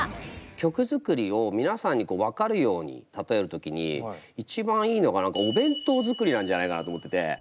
曲作りを皆さんに分かるように例える時に一番いいのが何かお弁当作りなんじゃないかなと思ってて。